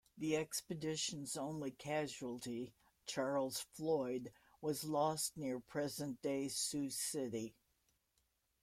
The expedition's only casualty, Charles Floyd, was lost near present-day Sioux City.